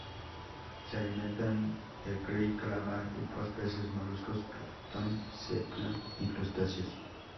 Se alimentan de krill, calamar, pulpos, peces, moluscos, plancton, sepia, y crustáceos.